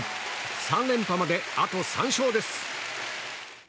３連覇まで、あと３勝です。